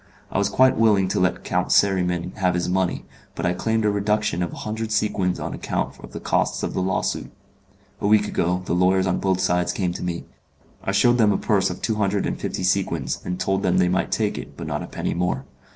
I was quite willing to let Count Seriman have his money, but I claimed a reduction of a hundred sequins on account of the costs of the lawsuit. A week ago the lawyers on both sides came to me. I shewed them a purse of two hundred and fifty sequins, and told them they might take it, but not a penny more.